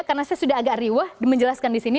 karena saya sudah agak riwah menjelaskan disini